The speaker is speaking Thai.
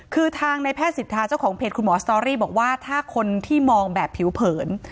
คือทางในแพทย์สิทธาเจ้าของเพจคุณหมอสตอรี่บอกว่าถ้าคนที่มองแบบผิวเผิน